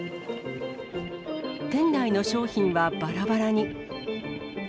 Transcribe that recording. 店内の商品はばらばらに。